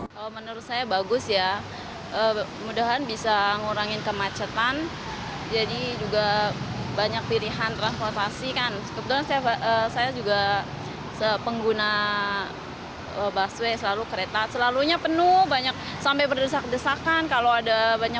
lebih nyaman ya